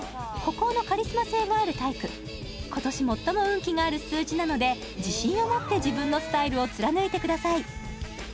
孤高のカリスマ性があるタイプ今年最も運気がある数字なので自信を持って自分のスタイルを貫いてください